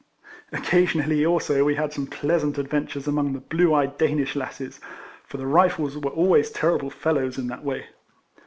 Occasionally, also, we had some pleasant adventures among the blue eyed Danish lasses, for the Rifles were always terrible fellows in that way.